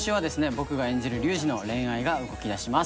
僕が演じる隆治の恋愛が動き出します。